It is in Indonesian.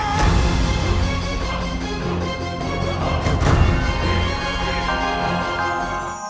sebaiknya mari bangun words